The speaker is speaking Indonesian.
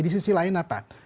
di sisi lain apa